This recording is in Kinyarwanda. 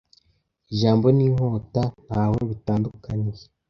ijambo n'inkota ntaho bitandukaniye